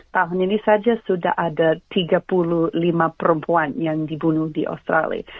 tahun ini saja sudah ada tiga puluh lima perempuan yang dibunuh di australia